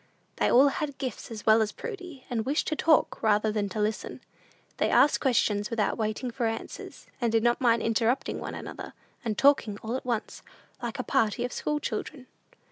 They all had gifts as well as Prudy, and wished to talk rather than to listen. They asked questions without waiting for answers, and did not mind interrupting one another, and talking all at once, like a party of school children.